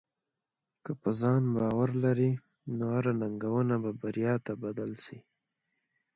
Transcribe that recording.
که په ځان باور لرې، نو هره ننګونه به بریا ته بدل شي.